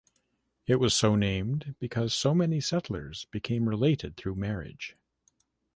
It was so named because so many settlers became related through marriage.